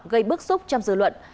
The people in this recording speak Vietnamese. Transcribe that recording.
gây bức xúc trong dự luận